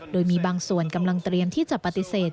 โดยมีบางส่วนกำลังเตรียมที่จะปฏิเสธ